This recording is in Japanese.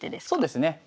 そうですね。